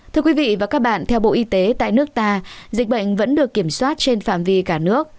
thưa quý vị và các bạn theo bộ y tế tại nước ta dịch bệnh vẫn được kiểm soát trên phạm vi cả nước